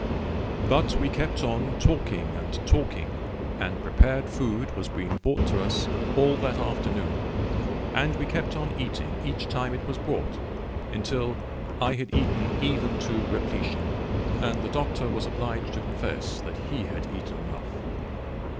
But we kept on talking and talking, and prepared food was being brought to us all that afternoon; and we kept on eating each time it was brought, until I had eaten even to repletion, and the Doctor was obliged to confess that he had eaten enough.